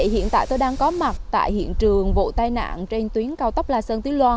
hiện tại tôi đang có mặt tại hiện trường vụ tai nạn trên tuyến cao tốc la sơn tuy loan